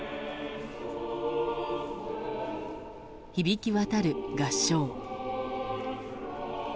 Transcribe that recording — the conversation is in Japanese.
響き渡る合唱。